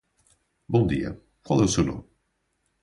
Bom dia. Qual é o seu nome?